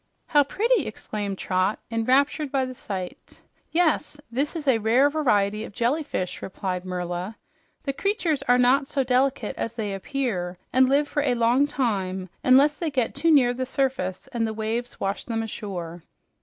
"How pretty!" exclaimed Trot, enraptured by the sight. "Yes, this is a rare variety of jellyfish," replied Merla. "The creatures are not so delicate as they appear, and live for a long time unless they get too near the surface and the waves wash them ashore."